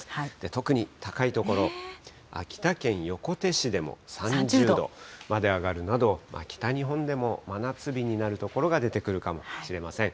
特に高い所、秋田県横手市でも３０度まで上がるなど、北日本でも真夏日になる所が出てくるかもしれません。